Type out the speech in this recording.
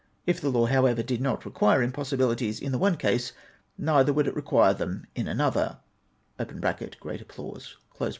If the law, however, did not require impossibilities in the one case, neither would it require them in another {fjreat applause).